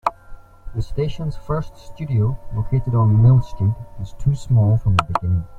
The station's first studio located on Mill Street was too small from the beginning.